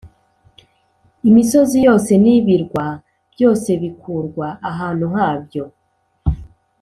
imisozi yose n’ibirwa byose bikurwa ahantu habyo.